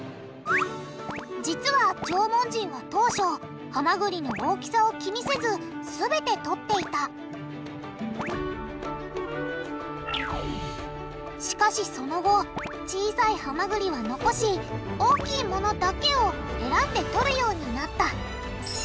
実は縄文人は当初ハマグリの大きさを気にせずすべてとっていたしかしその後小さいハマグリは残し大きいものだけを選んでとるようになった。